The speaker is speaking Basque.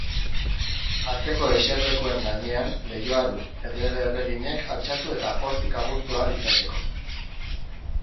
Atzeko eserlekuen gainean leihoa du, errege-erreginek altxatu eta hortik agurtu ahal izateko.